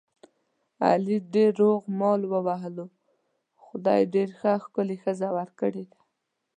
علي ډېر روغ مال ووهلو، خدای ډېره ښه ښکلې ښځه ور کړې ده.